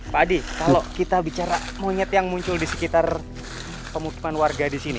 pak adi kalau kita bicara monyet yang muncul di sekitar pemukiman warga di sini